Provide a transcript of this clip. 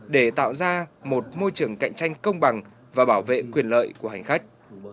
để tạo ra một môi trường cạnh tranh công bằng và bảo vệ quyền lợi của hành khách